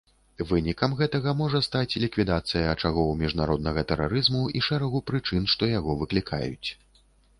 Вынікам гэтага можа стаць ліквідацыя ачагоў міжнароднага тэрарызму і шэрагу прычын, што яго выклікаюць.